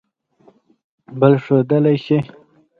بل ښودلئ شی